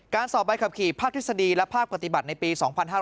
สอบใบขับขี่ภาคทฤษฎีและภาคปฏิบัติในปี๒๕๕๙